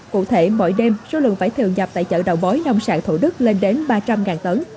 cụ thể mỗi đêm số lượng vải thiêu nhập tại chợ đầu bối nông sản thổ đức lên đến ba trăm linh ngàn tấn